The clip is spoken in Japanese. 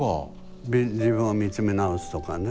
自分を見つめ直すとかね。